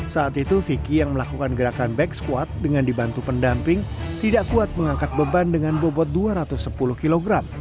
saat itu vicky yang melakukan gerakan back squat dengan dibantu pendamping tidak kuat mengangkat beban dengan bobot dua ratus sepuluh kg